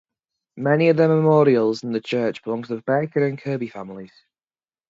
Many of the memorials in the church belong to the Baker and Kirby families.